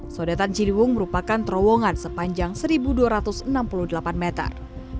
sodetan ciliwung merupakan terowongan sepanjang satu dua ratus enam puluh delapan meter